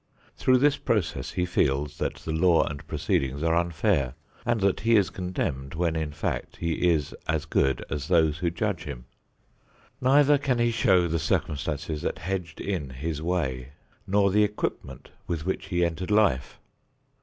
Through this process he feels that the law and proceedings are unfair and that he is condemned, when, in fact, he is as good as those who judge him. Neither can he show the circumstances that hedged in his way nor the equipment with which he entered life.